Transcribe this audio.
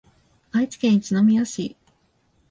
愛知県一宮市